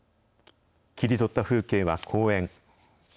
切り取った風景は公園。